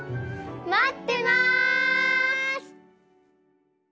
まってます！